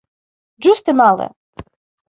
Ĝuste male!